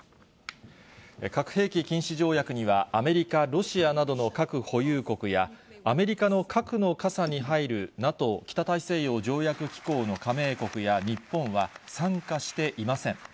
核兵器禁止条約には、アメリカ、ロシアなどの核保有国や、アメリカの核の傘に入るＮＡＴＯ・北大西洋条約機構の加盟国や日本は、参加していません。